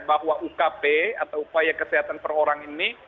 bahwa ukp atau upaya kesehatan perorangan ini